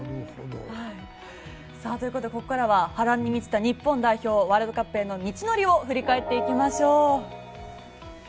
ということでここからは波乱に満ちた日本代表ワールドカップへの道のりを振り返っていきましょう。